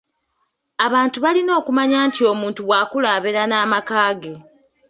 "Abantu balina okumanya nti omuntu bw’akula, abeera n’amaka ge."